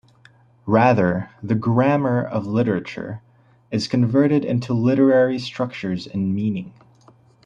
Rather, the "'grammar' of literature" is converted into literary structures and meaning.